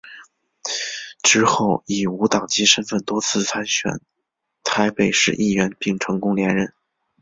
之后以无党籍身分多次参选台北市议员并成功连任。